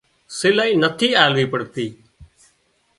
سلائي نٿي آلوي پڙتي